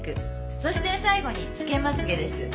そして最後につけまつ毛です。